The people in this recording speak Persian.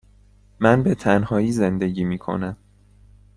من به تنهایی زندگی می کنم.